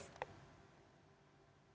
nah sabar aja